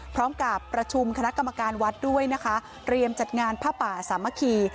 พร้อมกับประชุมคณะกรรมการวัดด้วยนะคะเตรียมจัดงานผ้าป่าสามัคคี